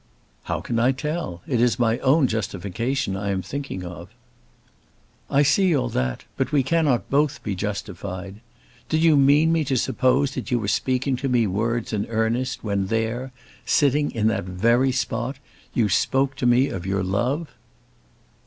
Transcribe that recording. "How can I tell? It is my own justification I am thinking of." "I see all that. But we cannot both be justified. Did you mean me to suppose that you were speaking to me words in earnest when there, sitting in that very spot, you spoke to me of your love."